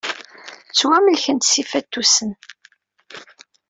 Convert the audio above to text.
Ttwamelkent s yifatusen.